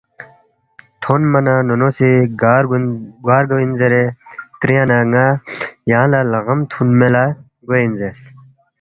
تھونما نہ نونو سی گار گوے اِن زیرے تریا نہ ن٘ا یانگ لہ لغم تُھونمے لہ گوے اِن زیرس